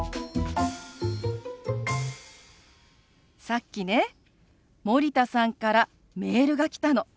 さっきね森田さんからメールが来たの。